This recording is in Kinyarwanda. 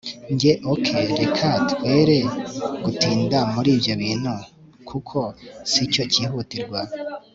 Njye ok reka twere gutinda muri ibyo bintu kuko sicyo cyihutirwa